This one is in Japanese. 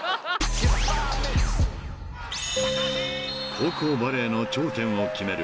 ［高校バレーの頂点を決める